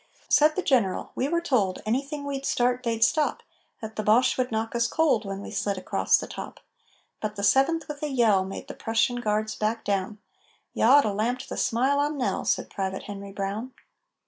_ Said the General: "We were told Anything we'd start they'd stop That the Boche would knock us cold When we slid across the top. But the 7th with a yell Made the Prussian Guards back down." _"You oughta lamped the smile on Nell!" Said Private Henry Brown.